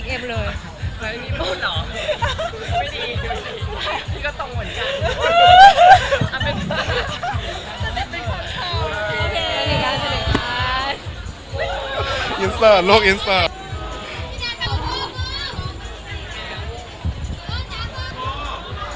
เป็นเพื่อนแล้วกันค่ะ